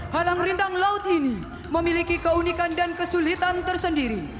halang rintang laut ini memiliki keunikan dan kesulitan tersendiri